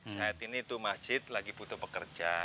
saat ini itu masjid lagi butuh pekerja